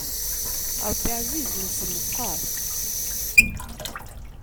Ṛebbi ɛziz, lebṣel meqqer.